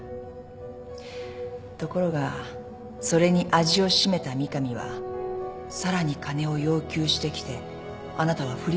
ところがそれに味を占めた三上はさらに金を要求してきてあなたは振り込んだ。